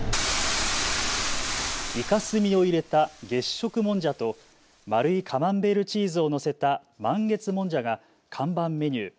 イカ墨を入れた月食もんじゃと丸いカマンベールチーズを載せた満月もんじゃが看板メニュー。